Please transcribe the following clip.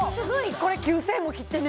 これ９０００円も切ってんね